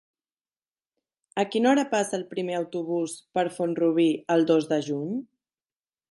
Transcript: A quina hora passa el primer autobús per Font-rubí el dos de juny?